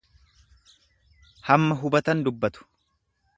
Hamma hubatan dubbatu.